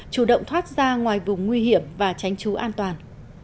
chủ động thoát ra ngoài vùng nguy hiểm và tránh trú an toàn